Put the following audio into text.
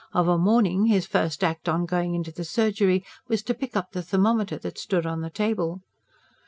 Of a morning his first act on going into his surgery was to pick up the thermometer that stood on the table.